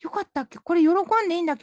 これ喜んでいいんだっけ？